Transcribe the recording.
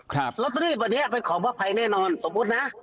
ครับลอตเตอรี่บอันเนี้ยเป็นของพระภัยแน่นอนสมมุตินะ